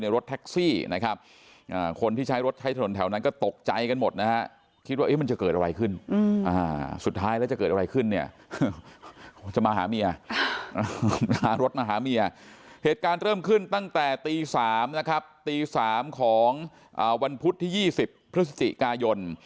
รถแท็กซี่นะครับคนที่ใช้รถใช้ถนนแถวนั้นก็ตกใจกันหมดนะฮะคิดว่ามันจะเกิดอะไรขึ้นสุดท้ายแล้วจะเกิดอะไรขึ้นเนี่ยจะมาหาเมียหารถมาหาเมียเหตุการณ์เริ่มขึ้นตั้งแต่ตี๓นะครับตี๓ของวันพุธที่๒๐พฤศจิกายน